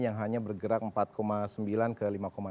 yang hanya bergerak empat sembilan ke lima tiga